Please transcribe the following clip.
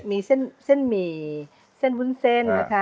มีเส้นหมี่เส้นวุ้นเส้นนะคะ